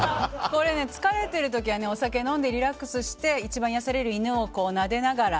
これ、疲れている時はお酒を飲んでリラックスして一番癒やされる犬をなでながら。